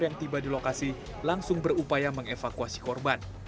yang tiba di lokasi langsung berupaya mengevakuasi korban